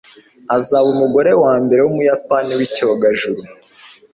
azaba umugore wa mbere w'umuyapani w'icyogajuru